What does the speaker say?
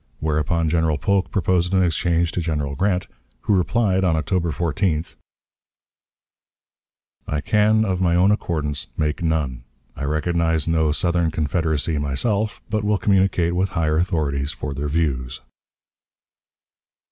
Whereupon General Polk proposed an exchange to General Grant, who replied, on October 14th: "I can, of my own accordance, make none. I recognize no 'Southern Confederacy' myself, but will communicate with higher authorities for their views."